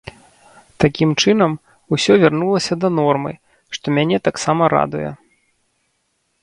Такім чынам, усё вярнулася да нормы, што мяне таксама радуе.